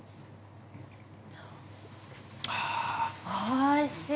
◆おいしい。